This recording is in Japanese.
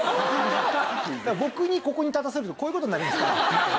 僕にここに立たせるとこういう事になりますから。